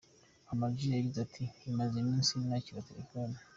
Ama G yagize ati "maze iminsi nakira telefoni.